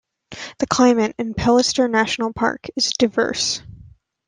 The climate in Pelister National Park is diverse.